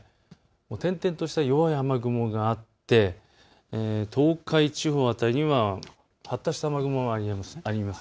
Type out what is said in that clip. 点々とした弱い雨雲があって東海地方、今、発達した雨雲があります。